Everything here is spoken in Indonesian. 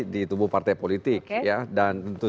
di tubuh partai politik ya dan tentu